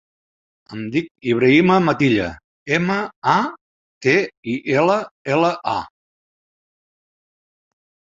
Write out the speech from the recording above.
Em dic Ibrahima Matilla: ema, a, te, i, ela, ela, a.